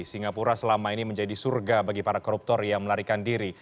singapura selama ini menjadi surga bagi para koruptor yang melarikan diri